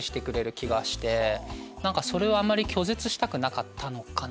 それをあんまり拒絶したくなかったのかな。